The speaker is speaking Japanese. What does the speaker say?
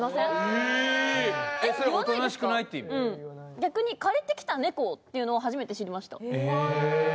逆に「借りてきた猫」っていうのを初めて知りました。